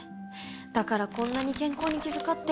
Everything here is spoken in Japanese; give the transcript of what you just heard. だからこんなに健康に気遣って。